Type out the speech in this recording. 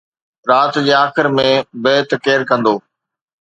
رات جي آخر ۾ بيعت ڪير ڪندو؟